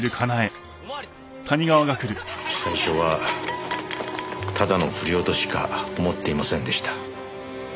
最初はただの不良としか思っていませんでした。